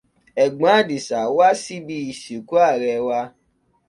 Ẹ̀gbọ́n Àdìsá wá sí ibi ìsìnkú Ààrẹ wa.